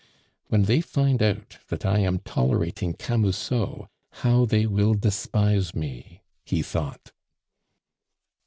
"When they find out that I am tolerating Camusot, how they will despise me," he thought.